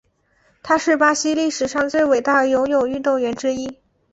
他是巴西历史上最伟大游泳运动员之一。